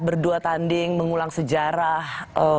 berdua tanding mengulang sejarah